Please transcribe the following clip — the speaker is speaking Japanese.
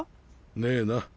ねえな。